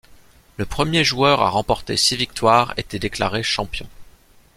Le premier joueur à remporter six victoires était déclaré champion.